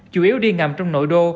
chủ yếu đi ngầm trong nội đô